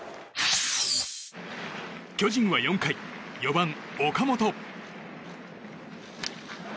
巨人は４回４番、岡本。